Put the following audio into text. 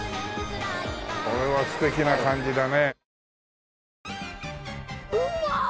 これは素敵な感じだね。